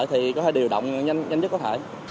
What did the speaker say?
thì có thể điều động nhanh nhất có thể